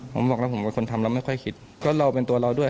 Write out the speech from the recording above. ผมบอกแล้วผมเป็นคนทำแล้วไม่ค่อยคิดก็เราเป็นตัวเราด้วย